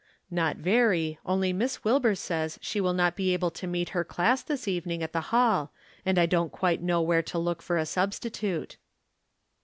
"Not very; only Miss Wilbur says she will not be able to meet her class this evening at the hall, and I don't quite know where to look for a substitute."